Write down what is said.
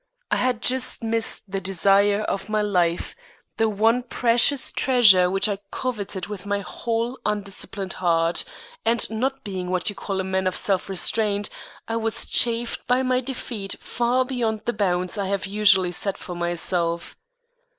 I had just missed the desire of my life, the one precious treasure which I coveted with my whole undisciplined heart, and not being what you call a man of self restraint, I was chafed by my defeat far beyond the bounds I have usually set for myself.